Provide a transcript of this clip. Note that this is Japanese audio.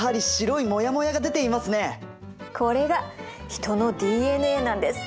これがヒトのＤＮＡなんです。